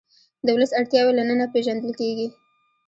د ولس اړتیاوې له ننه پېژندل کېږي.